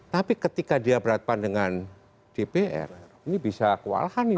tapi ketika dia berhadapan dengan dpr ini bisa kewalahan ini